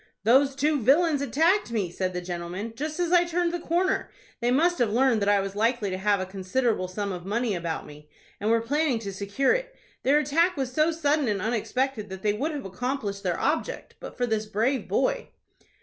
"Those two villains attacked me," said the gentleman, "just as I turned the corner. They must have learned that I was likely to have a considerable sum of money about me, and were planning to secure it. Their attack was so sudden and unexpected that they would have accomplished their object but for this brave boy."